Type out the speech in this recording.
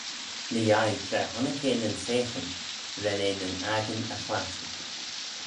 Ny-yeih tra honnick eh nyn seaghyn: ren eh nyn accan y chlashtyn.